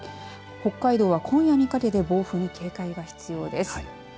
北海道は今夜にかけて暴風に警戒が必要です。